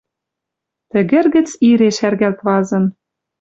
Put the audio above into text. Тӹгӹр гӹц ире шӓргӓлт вазын.